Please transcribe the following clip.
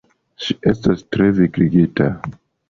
Ŝi estas tre vigligita.